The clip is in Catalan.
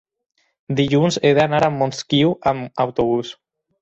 dilluns he d'anar a Montesquiu amb autobús.